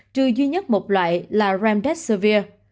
trừ duy nhất một loại là remdesivir